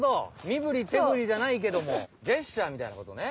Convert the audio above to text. みぶりてぶりじゃないけどもジェスチャーみたいなことね。